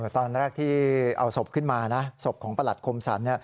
ตอนแรกที่เอาศพขึ้นมานะศพของประหลัดคมสรร